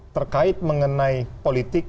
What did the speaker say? terkait mengenai politik